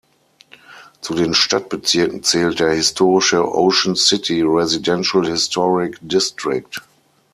Zu den Stadtbezirken zählt der historische Ocean City Residential Historic District.